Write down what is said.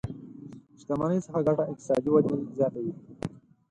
شتمنۍ څخه ګټه اقتصادي ودې زياته وي.